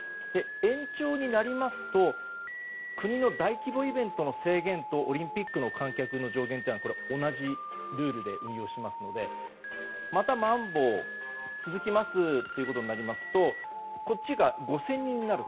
延長になりますと国の大規模イベントの制限とオリンピックの観客の上限は同じルールで運用しますのでまた、まん防続きますということになりますとこっちが５０００人になる。